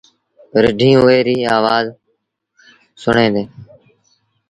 رڍينٚ اُئي ريٚ آوآز سُڻيݩ دينٚ